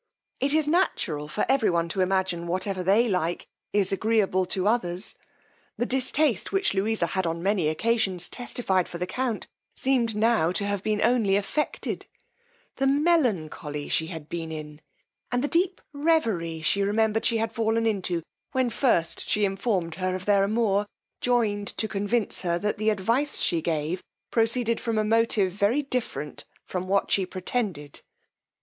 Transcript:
It is natural for every one to imagine whatever they like is agreeable to others. The distaste which Louisa had on many occasions testified for the count, seemed now to have been only affected: the melancholy she had been in, and the deep resvery she remembered she had fallen into when first she informed her of their amour, joined to convince her, that the advice she gave proceeded from a motive very different from what she pretended.